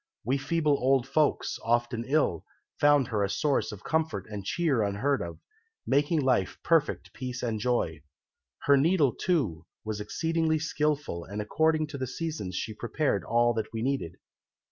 We feeble old folks, often ill, found her a source of comfort and cheer unheard of, making life perfect peace and joy. Her needle, too, was exceedingly skilful, and according to the seasons she prepared all that we needed.